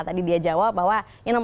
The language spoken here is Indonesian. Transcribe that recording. tadi dia jawab bahwa